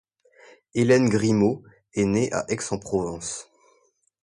Hélène Grimaud est née à Aix-en-Provence.